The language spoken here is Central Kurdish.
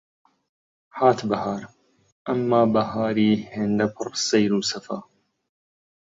هات بەهار، ئەمما بەهاری هێندە پڕ سەیر و سەفا